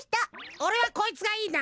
おれはこいつがいいな。